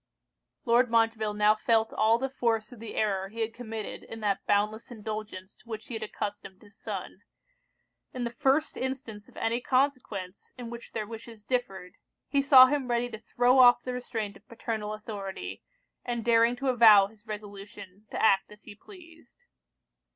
Lord Montreville now felt all the force of the error he had committed in that boundless indulgence to which he had accustomed his son. In the first instance of any consequence in which their wishes differed, he saw him ready to throw off the restraint of paternal authority, and daring to avow his resolution to act as he pleased.